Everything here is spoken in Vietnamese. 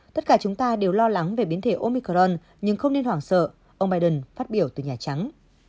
tất cả chúng ta đều lo lắng về biến thể omicron nhưng không nên hoảng sợ ông biden phát biểu từ nhà trắng